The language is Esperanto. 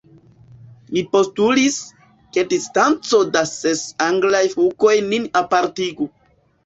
Mi postulis, ke distanco da ses Anglaj futoj nin apartigu.